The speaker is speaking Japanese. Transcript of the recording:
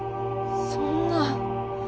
そんな！